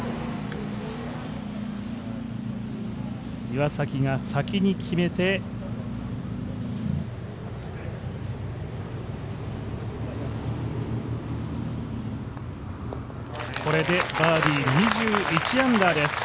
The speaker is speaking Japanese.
岩崎が先に決めてこれでバーディー２１アンダーです。